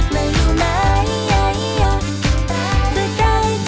และความใจหยุดเกิน